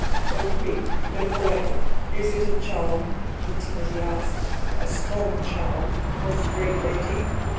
"O Queen, live for ever! Is it a charm?" he timidly asked. "A strong charm, most great lady?"